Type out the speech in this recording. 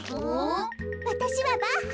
わたしはバッハ。